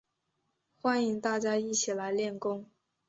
欢迎大家一起来练功